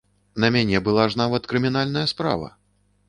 На мяне была ж нават крымінальная справа!